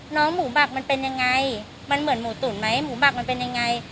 หมูหมักมันเป็นยังไงมันเหมือนหมูตุ๋นไหมหมูหมักมันเป็นยังไง